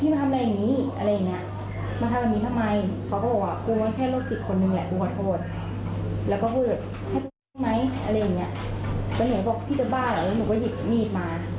แล้วหนูบอกพี่จะบ้าเหรอแล้วหนูก็หยิบมีดมา